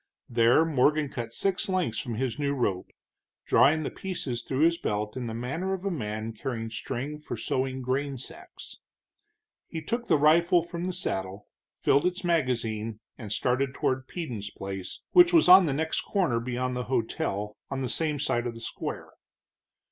There Morgan cut six lengths from his new rope, drawing the pieces through his belt in the manner of a man carrying string for sewing grain sacks. He took the rifle from the saddle, filled its magazine, and started toward Peden's place, which was on the next corner beyond the hotel, on the same side of the square.